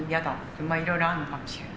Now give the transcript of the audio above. まあいろいろあるのかもしれない。